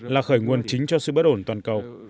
là khởi nguồn chính cho sự bất ổn toàn cầu